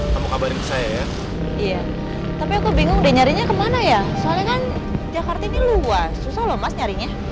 terima kasih ya